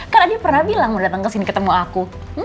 kan adi pernah bilang mau dateng kesini ketemu aku